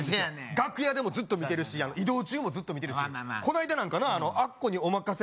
楽屋でもずっと見てるし移動中もずっと見てるしこないだ「アッコにおまかせ！」